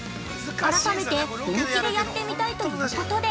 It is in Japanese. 改めて本気でやってみたいということで。